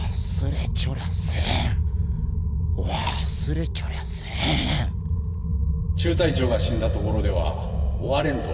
中隊長が死んだところでは終われんぞ。